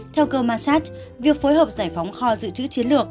theo cơ quan việc phối hợp giải phóng kho dự trữ chiến lược